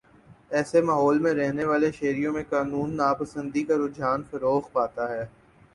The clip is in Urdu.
ایسے ماحول میں رہنے والے شہریوں میں قانون ناپسندی کا رجحان فروغ پاتا ہے